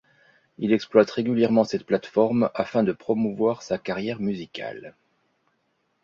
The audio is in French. Il exploite régulièrement cette plateforme afin de promouvoir sa carrière musicale.